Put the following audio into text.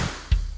terima kasih bang